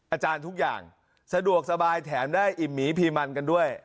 ทุกอย่างสะดวกสบายแถมได้อิ่มหมีพีมันกันด้วย